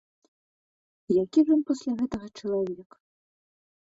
Які ж ён пасля гэтага чалавек?